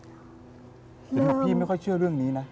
เริ่มคือพี่อีกแล้วหรือพี่ไม่ค่อยเชื่อเรื่องนี้นะ